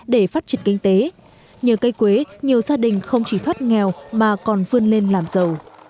để phát triển kinh tế nhờ cây quế nhiều gia đình không chỉ thoát nghèo mà còn vươn lên làm giàu